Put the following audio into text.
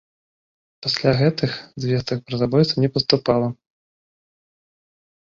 Пасля гэтых звестак пра забойцу не паступала.